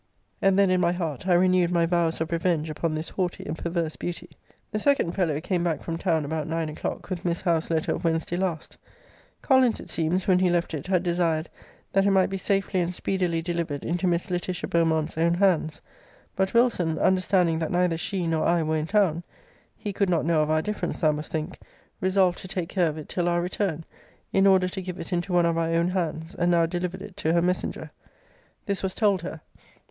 And then, in my heart, I renewed my vows of revenge upon this haughty and perverse beauty. The second fellow came back from town about nine o'clock, with Miss Howe's letter of Wednesday last. 'Collins, it seems, when he left it, had desired, that it might be safely and speedily delivered into Miss Laetitia Beaumont's own hands. But Wilson, understanding that neither she nor I were in town, [he could not know of our difference thou must think,] resolved to take care of it till our return, in order to give it into one of our own hands; and now delivered it to her messenger.' This was told her.